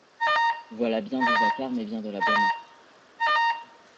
Voilà bien du vacarme et bien de l'aboiement.